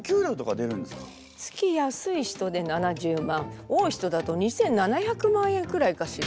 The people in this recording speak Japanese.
月安い人で７０万多い人だと２，７００万円くらいかしら。